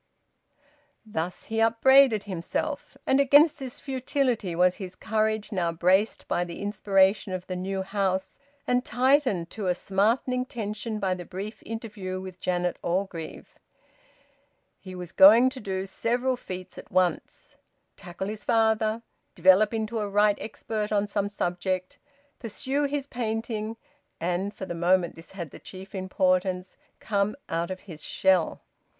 Thus he upbraided himself. And against this futility was his courage now braced by the inspiration of the new house, and tightened to a smarting tension by the brief interview with Janet Orgreave. He was going to do several feats at once: tackle his father, develop into a right expert on some subject, pursue his painting, and for the moment this had the chief importance `come out of his shell.'